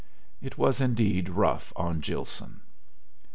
It was indeed rough on Gilson.